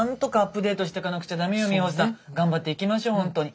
頑張っていきましょうほんとに。